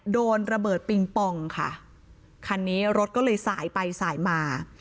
โดนระเบิดปิงปองค่ะคันนี้รถก็เลยสายไปสายมา